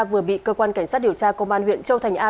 vừa bị cơ quan cảnh sát điều tra công an huyện châu thành a